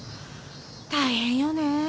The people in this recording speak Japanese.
大変よね。